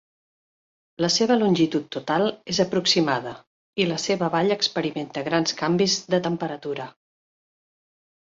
La seva longitud total és aproximada i la seva vall experimenta grans canvis de temperatura.